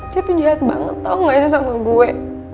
dia tuh jahat banget tau gak sih sama gue